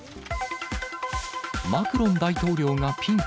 マクロン大統領がピンチ。